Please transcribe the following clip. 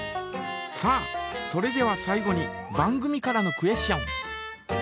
さあそれでは最後に番組からのクエスチョン。